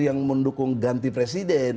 yang mendukung ganti presiden